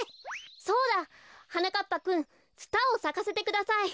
そうだ！はなかっぱくんツタをさかせてください。